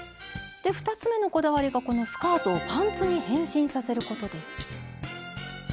で２つ目のこだわりがこのスカートをパンツに変身させることです。